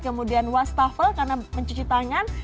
kemudian wastafel karena mencuci tangan